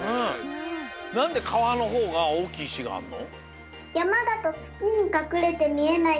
なんでかわのほうがおおきいいしがあんの？